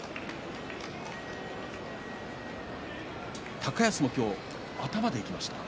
高安も今日は頭でいきましたね。